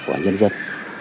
của nhân dân